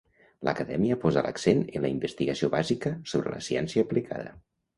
L'Acadèmia posà l'accent en la investigació bàsica sobre la ciència aplicada.